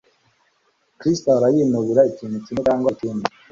Chris ahora yinubira ikintu kimwe cyangwa ikindi